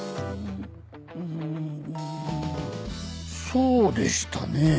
そうでしたねぇ。